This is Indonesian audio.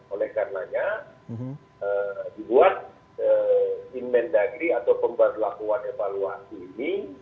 oleh karenanya dibuat kementerian kewilaihan kemendagri atau pembuat lakuan evaluasi ini